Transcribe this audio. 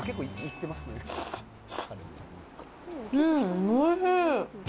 うん、おいしい。